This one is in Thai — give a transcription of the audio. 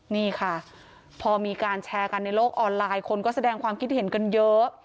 นี่ค่ะพอมีการแชร์กันในโลกออนไลน์คนก็แสดงความคิดเห็นกันเยอะ